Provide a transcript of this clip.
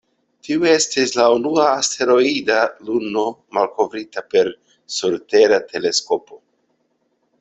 Tiu estis la unua asteroida luno malkovrita per surtera teleskopo.